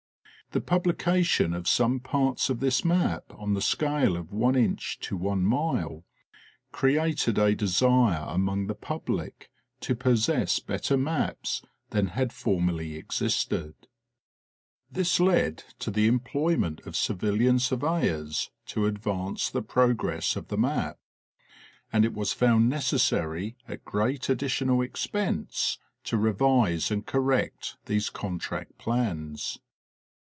The publication of some parts of this map on the scale of one inch to one mile created a desire among the public to possess better maps than had formerly existed. The Ordnance Survey of Great Britain. 249 This led to the employment of civilian surveyors to advance the progress of the map, and it was found necessary at great additional expense, to revise and correct these contract plans.